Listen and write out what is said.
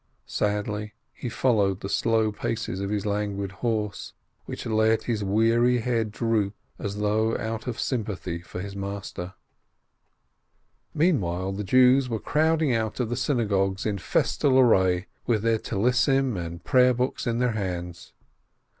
Sadly he followed the slow paces of his languid horse, which let his weary head droop as though out of sym pathy for his master. Meantime the Jews were crowding out of the syna gogues in festal array, with their prayer scarfs and prayer books in their hands.